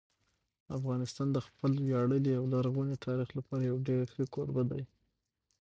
افغانستان د خپل ویاړلي او لرغوني تاریخ لپاره یو ډېر ښه کوربه دی.